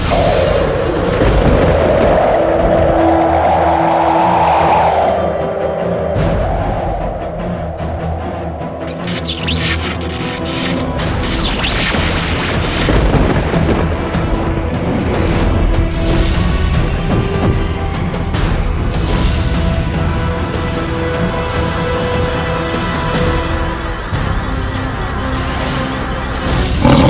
aku sudah habis terjangkau